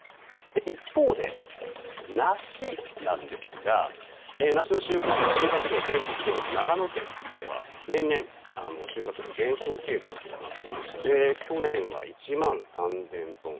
一方で、梨なんですが梨の収穫量全国５位の長野県では年々、収穫量が減少傾向となっていまして去年は１万３０００トン。